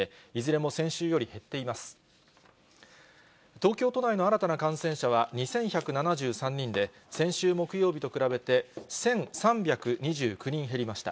東京都内の新たな感染者は２１７３人で、先週木曜日と比べて、１３２９人減りました。